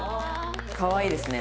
かわいいですね。